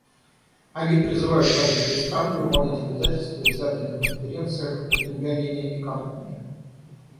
Они призывают развитые страны выполнить обязательства, взятые на конференциях в Копенгагене и Канкуне.